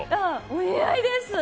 お似合いです